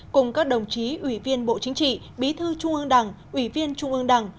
cùng các đồng chí ủy viên bộ chính trị bí thư trung ương đảng ủy viên trung ương đảng